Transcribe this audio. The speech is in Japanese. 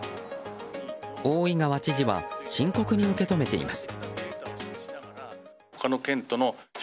大井川知事は深刻に受け止めています。